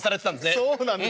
そうなんです。